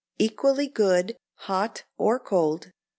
Equally good hot or cold.